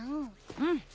うん。